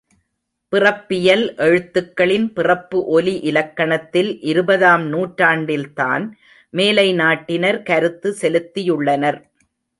பிறப்பியல் எழுத்துகளின் பிறப்பு ஒலி இலக்கணத்தில் இருபதாம் நூற்றாண்டில்தான் மேலைநாட்டினர் கருத்து செலுத்தியுள்ளனர்.